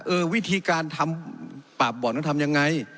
เออวิธีการทำปราบบ่อนต้องทำยังไง